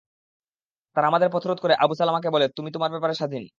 তারা আমাদের পথ রোধ করে আবু সালামাকে বলল, তুমি তোমার ব্যাপারে স্বাধীন।